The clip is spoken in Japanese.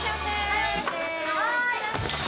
はい！